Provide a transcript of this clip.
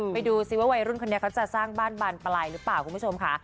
ไปดูซิว่าวัยรุ่นคนนี้เขาจะสร้างบ้านบานปลายหรือเปล่าคุณผู้ชมค่ะ